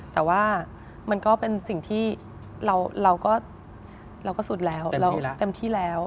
แต่ว่ามันก็เป็นสิ่งที่เราก็สุดแล้วเราเต็มที่แล้ว